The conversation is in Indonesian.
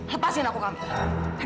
lepaskan aku kamilah